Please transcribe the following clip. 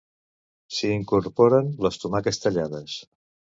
s'hi incorporen les tomaques tallades